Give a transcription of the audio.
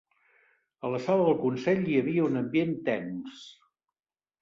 A la sala del consell hi havia un ambient tens.